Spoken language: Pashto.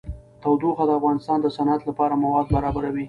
تودوخه د افغانستان د صنعت لپاره مواد برابروي.